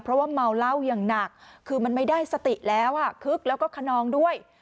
เพราะว่าเมาเหล้าอย่างหนักคือมันไม่ได้สติแล้วอ่ะคึกแล้วก็ขนองด้วย